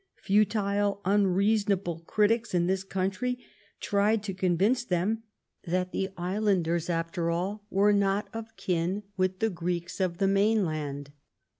Futile, unreasonable critics in this country tried to convince them that the islanders, after all, were not of kin with the Greeks of the mainland.